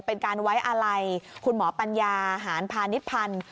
เป็นการไว้อาลัยคุณหมอปัญญาหารพาณิชพันธ์